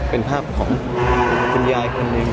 เป็นภาพของคุณยายคนหนึ่ง